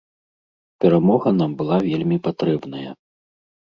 Перамога нам была вельмі патрэбная.